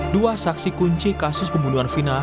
dua saksi kunci kasus pembunuhan final